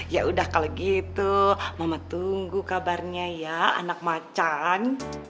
ya udah kalau gitu mama tunggu kabarnya ya anak macan